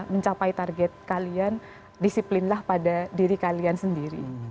mencapai target kalian disiplinlah pada diri kalian sendiri